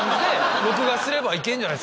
録画すればいけるんじゃない？